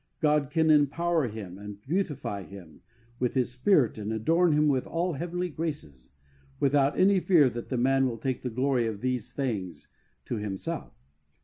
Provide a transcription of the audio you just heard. God can empower him and beautify him with His Spirit and adorn him with all heavenly graces, without any fear that the man will take the glory of these things to himself.